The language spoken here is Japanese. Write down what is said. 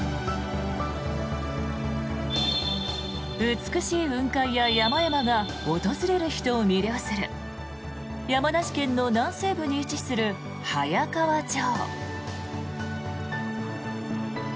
美しい雲海や山々が訪れる人を魅了する山梨県の南西部に位置する早川町。